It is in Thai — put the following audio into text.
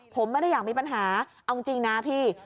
ผมไม่ได้อยากมีปัญหาเอาจริงนะพี่